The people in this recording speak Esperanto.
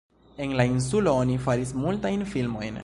En la insulo oni faris multajn filmojn.